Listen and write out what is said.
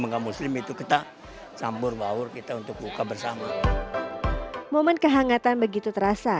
enggak muslim itu kita sambur bawur kita untuk buka bersama momen kehangatan begitu terasa